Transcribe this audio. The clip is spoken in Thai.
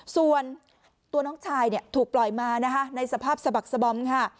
ส่วนตัวน้องชายถูกปล่อยมานะคะในสภาพสะบักสบอมค่ะ